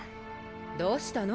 どうしたの？